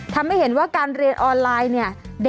ทำให้เห็นว่าการเรียนออนไลน์เนี่ย